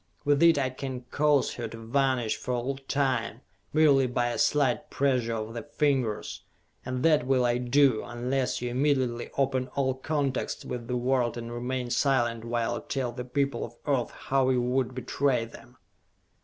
With it I can cause her to vanish for all time, merely by a slight pressure of the fingers! And that will I do, unless you immediately open all contacts with the world and remain silent while I tell the people of Earth how you would betray them!"